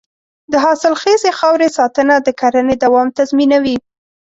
د حاصلخیزې خاورې ساتنه د کرنې دوام تضمینوي.